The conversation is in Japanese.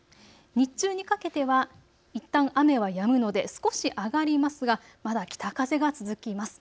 日中にかけてはいったん雨はやむので少し上がりますが、まだ北風が続きます。